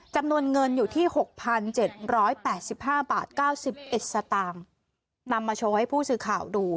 จำนวนเงินอยู่ที่หกพันเจ็ดร้อยแปดสิบห้าบาทเก้าสิบเอ็ดสตาร์มนำมาโชว์ให้ผู้สื่อข่าวดู